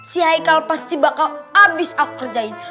si haikal pasti bakal habis aku kerjain